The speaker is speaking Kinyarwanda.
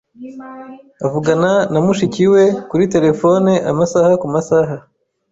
Avugana na mushiki we kuri terefone amasaha kumasaha.